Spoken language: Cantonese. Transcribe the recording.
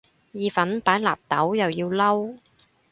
意粉擺納豆又要嬲